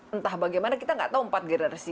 entah bagaimana kita nggak tahu empat generasi